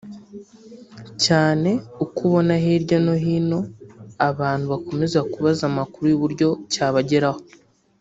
cyane uko ubona hirya no hino abantu bakomeza kubaza amakuru y’uburyo cyabageraho